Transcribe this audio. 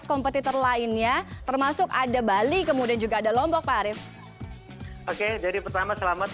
kompetitor lainnya termasuk ada bali kemudian juga ada lombok pak arief oke jadi pertama selamat